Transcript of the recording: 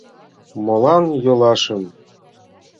— Молан — йолашым?